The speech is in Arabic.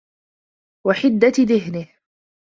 وَحِدَّةِ ذِهْنِهِ